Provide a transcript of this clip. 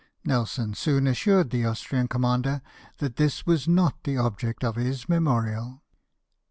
Nelson soon assured the Austrian commander that this was not the object of his memorial.